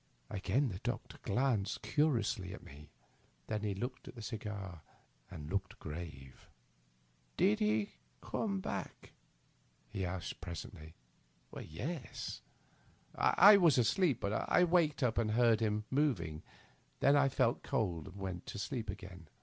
Again the doctor glanced curiously at me. Then he ht the cigar and looked grave. " Did he come back ?" he asked presently. " Tes. I was asleep, but I waked up and heard him moving. Then I felt cold and went to sleep again.